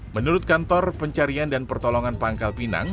menurut kantor pencarian dan pertolongan pangkal pinang